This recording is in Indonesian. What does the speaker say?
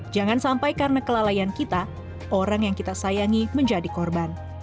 jangan sampai karena kelalaian kita orang yang kita sayangi menjadi korban